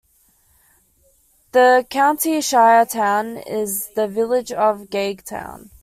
The county shire town is the village of Gagetown.